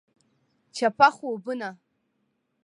چپه خوبونه …